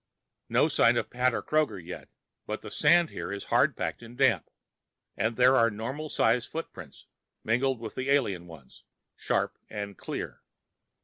No sign of Pat or Kroger yet, but the sand here is hard packed and damp, and there are normal size footprints mingled with the alien ones, sharp and clear.